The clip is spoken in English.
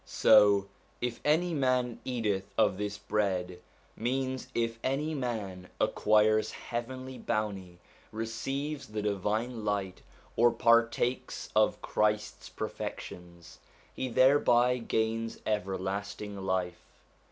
So, 'If any man eateth of this bread' means if any man acquires heavenly bounty, receives the divine light, or partakes of Christ's perfec tions, he thereby gains everlasting life.